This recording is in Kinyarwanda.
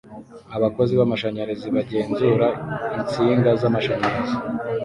Abakozi b'amashanyarazi bagenzura insinga z'amashanyarazi